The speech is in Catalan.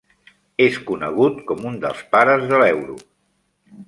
És conegut com un dels pares de l'euro.